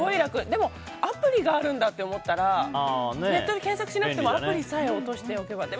でも、アプリがあるんだって思ったらネットで検索しなくてもアプリを落としておけば。